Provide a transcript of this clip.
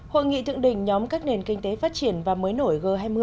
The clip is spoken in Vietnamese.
hội nghị tượng đình nhóm các nền kinh tế phát triển và mới nổi g hai mươi